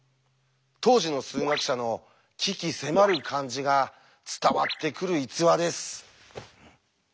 当時の数学者の鬼気迫る感じが伝わってくる逸話です。